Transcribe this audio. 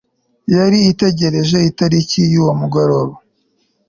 yari ategereje itariki yuwo mugoroba